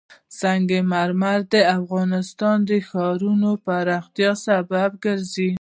سنگ مرمر د افغانستان د ښاري پراختیا سبب کېږي.